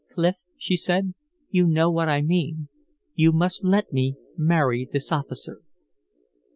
"Clif," she said, "you know what I mean. You must let me marry this officer."